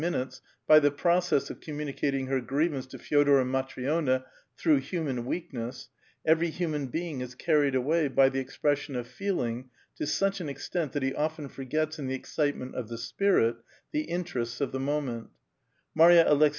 Jinute8 by the process of communicating her grievance to ^ o<Sclor and Matri6na, through human weakness, — every "^tn^n being is carried away, £3' the expression of feeling, to such an extent that he often forgets, in the excitement of the f Pii'it, the interests of the moment, — Marya Aleks